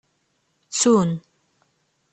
Ttun.